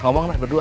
ngomong lah berdua